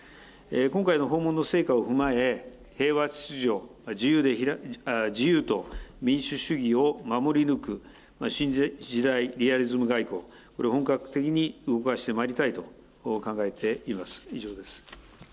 今回の訪問の成果を踏まえ、平和秩序、自由と民主主義を守り抜く新時代リアリズム外交、本格的に動かしてまいりたいと考えています。